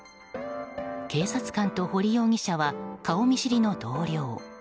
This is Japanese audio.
警察官と堀容疑者は顔見知りの同僚。